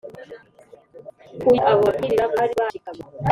Kuye abo babwiriza bari bashikamye